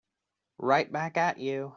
Right back at you.